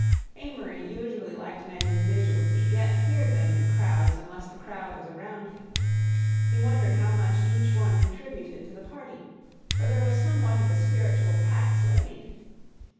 Amory usually liked men individually, yet feared them in crowds unless the crowd was around him. He wondered how much each one contributed to the party, for there was somewhat of a spiritual tax levied.